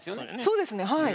そうですねはい。